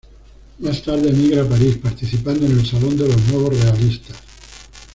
Más tarde emigra a París, participando en el Salón de los Nuevos Realistas.